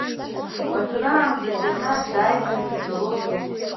Уажәраанӡа Џьанар дааны бигалозма?